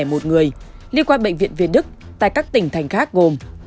ngoài ra có thêm bốn một người liên quan bệnh viện việt đức tại các tỉnh thành khác gồm